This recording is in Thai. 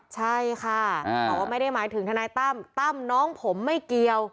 ใช่ค่ะบอกว่าไม่ได้หมายถึงทนายตั้มตั้มน้องผมไม่เกี่ยว